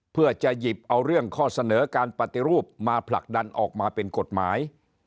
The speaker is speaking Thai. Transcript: เพื่อจะหยิบเอาเรื่องข้อเสนอการปฏิรูปมาผลักดันออกมาเป็นกฎหมาย